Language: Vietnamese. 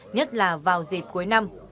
nhất là vào dịp cuối năm